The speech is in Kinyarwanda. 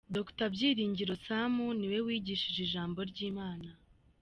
Dr Byiringiro Sam ni we wigishije ijambo ry'Imana.